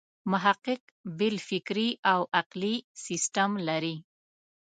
محقق بېل فکري او عقلي سیسټم لري.